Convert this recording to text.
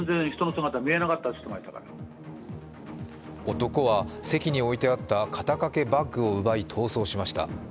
男は席に置いてあった肩掛けバッグを奪い逃走しました